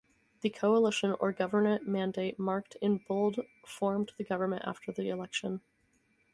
The coalition or government mandate marked in bold formed the government after the election.